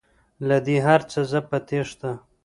له دې هرڅه زه په تیښته